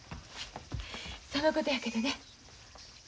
そのことやけどね。